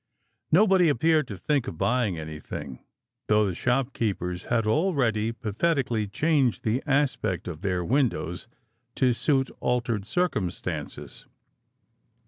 Nobody appeared to think of buying anything, though the shopkeepers had already pathetically changed the aspect of their windows to suit altered circumstances.